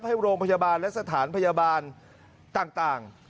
ให้โรงพยาบาลและสถานพยาบาลต่าง